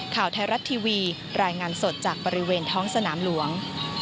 ข่าวไทยรัฐทีวีรายงานสดจากบริเวณท้องสนามหลวง